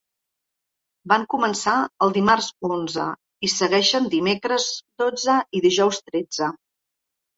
Van començar el dimarts, onze, i segueixen dimecres, dotze, i dijous, tretze.